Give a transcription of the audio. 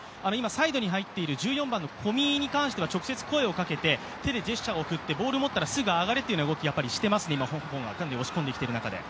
サイドに入っている１４番の小見に関しては、直接声をかけて、手でジェスチャーを送ってボールを持ったらすぐ上がれという動きをしていますね香港がかなり押し込んできてる中で。